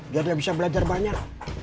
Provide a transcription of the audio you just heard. dia tidak bisa belajar banyak